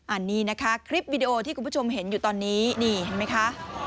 อันนี้นะคะคลิปวิดีโอที่คุณผู้ชมเห็นอยู่ตอนนี้นี่เห็นไหมคะ